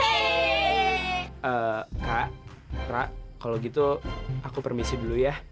eee kak ra kalau gitu aku permisi dulu ya